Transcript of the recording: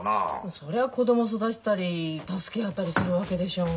そりゃ子供育てたり助け合ったりするわけでしょうが。